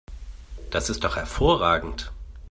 Das ist doch hervorragend!